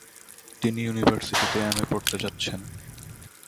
তিনি ইউনিভার্সিটিতে এম.এ. পড়তে যান।